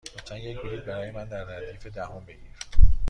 لطفا یک بلیط برای من در ردیف دهم بگیر.